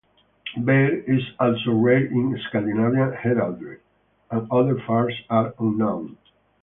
"Vair" is also rare in Scandinavian heraldry, and other furs are unknown.